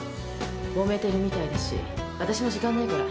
もめているみたいだしわたしも時間ないから。